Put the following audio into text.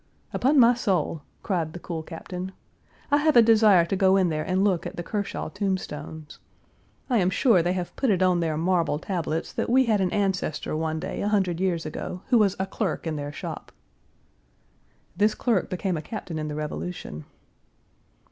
"Upon my soul," cried the cool captain, "I have a desire to go in there and look at the Kershaw tombstones. I am sure they have put it on their marble tablets that we had an ancestor one day a hundred years ago who was a clerk in their shop." This clerk became a captain in the Revolution.